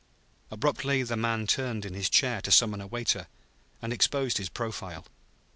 Abruptly the man turned in his chair to summon a waiter, and exposed his profile.